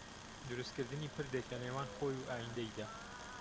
دروستکردنی پردێک لەنێوان خۆی و ئایندەیدا